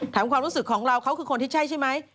ความรู้สึกของเราเขาคือคนที่ใช่ใช่ไหม